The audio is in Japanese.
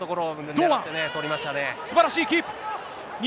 堂安、すばらしいキープ。